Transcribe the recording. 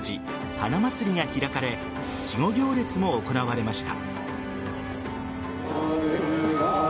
花まつりが開かれ稚児行列も行われました。